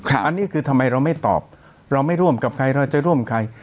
อันนี้คือทำไมเราไม่ตอบเราไม่ร่วมกับใครเราจะร่วมใคร